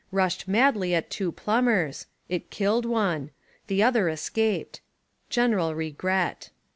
Rushed madly at two plumbers. It killed one. The other escaped. General regret."